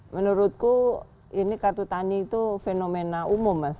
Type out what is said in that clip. menurutku ini kartu tani itu fenomena umum mas